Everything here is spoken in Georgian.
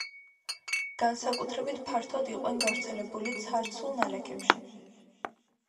განსაკუთრებით ფართოდ იყვნენ გავრცელებული ცარცულ ნალექებში.